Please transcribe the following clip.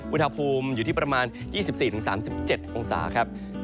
อุณหภูมิอยู่ที่ประมาณ๒๔๓๗องศาครับ